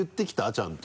ちゃんと。